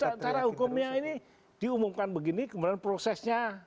karena cara hukumnya ini diumumkan begini kemarin prosesnya